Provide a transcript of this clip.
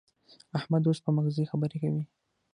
احمد اوس په مغزي خبرې کوي.